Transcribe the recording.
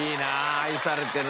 愛されてる。